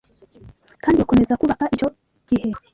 kandi bakomeza kubaka icyo gihe